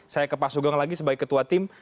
saya ke pak sugeng lagi sebagai ketua tim